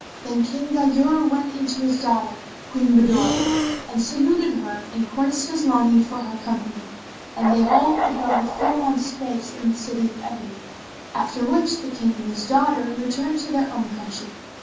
Then King Ghayur went in to his daughter, Queen Budur,[FN#23] and saluted her and quenched his longing for her company, and they all abode a full month's space in the City of Ebony; after which the King and his daughter returned to their own country.